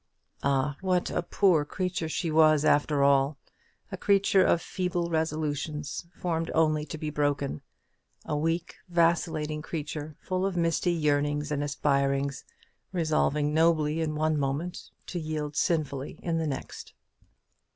Ah, what a poor creature she was, after all! a creature of feeble resolutions, formed only to be broken; a weak vacillating creature, full of misty yearnings and aspirings resolving nobly in one moment, to yield sinfully in the next.